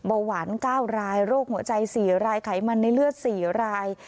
เบาหวาน๙รายโรคหัวใจ๔รายไขมันในเลือด๔ราย